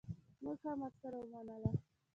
مونږ هم ورسره ومنله.